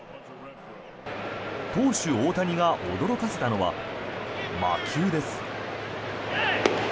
投手・大谷が驚かせたのは魔球です。